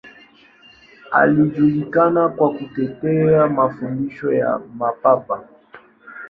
Alijulikana kwa kutetea mafundisho ya Mapapa.